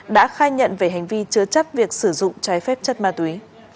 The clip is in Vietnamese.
đã khai nhận về hành vi chứa chấp việc sử dụng trái phép chất ma túy